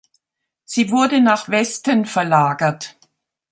Sie wurde nach Westen verlagert.